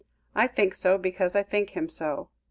I think him so, because I think him so.